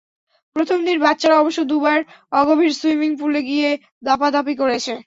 প্রথম দিন বাচ্চারা অবশ্য দুবার অগভীর সুইমিং পুলে গিয়ে দাপাদাপি করেছে।